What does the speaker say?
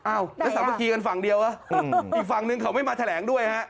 แล้วสามัคคีกันฝั่งเดียวอีกฝั่งนึงเขาไม่มาแถลงด้วยฮะ